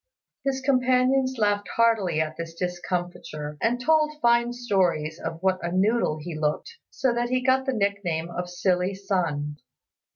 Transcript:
His companions laughed heartily at his discomfiture, and told fine stories of what a noodle he looked, so that he got the nickname of Silly Sun.